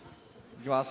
いきます。